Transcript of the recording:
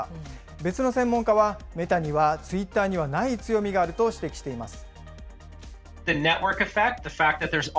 別の専門家は、メタにはツイッターにはない強みがあると指摘しています。